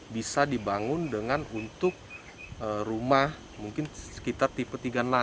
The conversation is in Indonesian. bisa dibangun dengan untuk rumah mungkin sekitar tipe tiga puluh enam